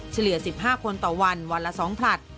เฉลี่ย๑๕คนต่อวันวันละ๒ผลัด